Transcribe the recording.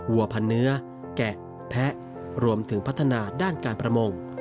วัวพันเนื้อแกะแพะรวมถึงพัฒนาด้านการประมง